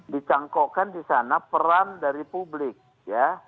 dicangkokkan di sana peran dari publik ya